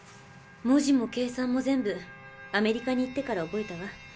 文字も計算も全部アメリカに行ってから覚えたわ。